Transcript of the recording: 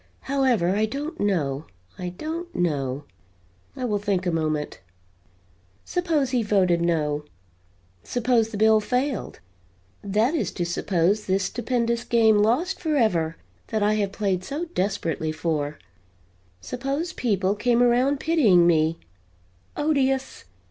However, I don't know I don't know. I will think a moment. Suppose he voted no; suppose the bill failed; that is to suppose this stupendous game lost forever, that I have played so desperately for; suppose people came around pitying me odious!